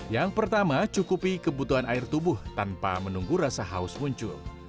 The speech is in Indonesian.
yang pertama cukupi kebutuhan air tubuh tanpa menunggu rasa haus muncul